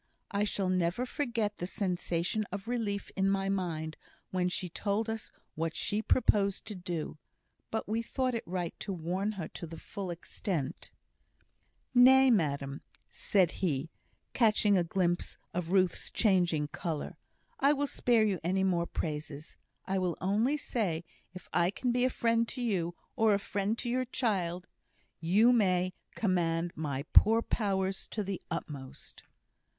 I shall never forget the sensation of relief in my mind when she told us what she proposed to do; but we thought it right to warn her to the full extent "Nay, madam," said he, catching a glimpse of Ruth's changing colour, "I will spare you any more praises. I will only say, if I can be a friend to you, or a friend to your child, you may command my poor powers to the utmost."